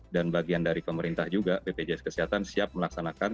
dan bagian dari pemerintah juga bpjs kesehatan siap melaksanakan